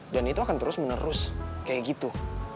itu akan terus menerus kayak gitu